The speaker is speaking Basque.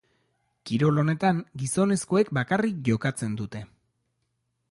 Kirol honetan, gizonezkoek bakarrik jokatzen dute.